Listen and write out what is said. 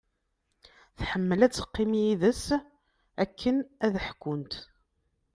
Tḥemmel ad teqqim d yid-s akken ad ḥkunt.